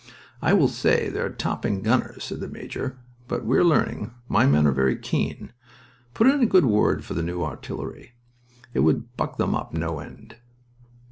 "I will say they're topping gunners," said the major. "But we're learning; my men are very keen. Put in a good word for the new artillery. It would buck them up no end."